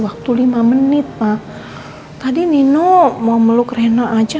aku mau disuapin om macan aja